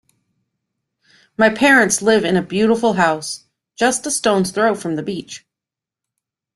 My parents live in a beautiful house just a stone's throw from the beach.